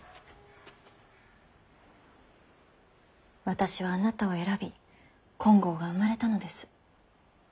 私はあなたを選び金剛が生まれたのです。